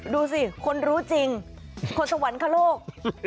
ดูสิคนรู้จริงคนสวรรคโลก